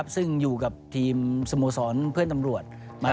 ซึ่งอยู่กับทีมสโมสรเพื่อนตำรวจ